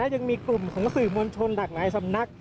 ยังมีกลุ่มของสื่อมวลชนหลากหลายสำนัก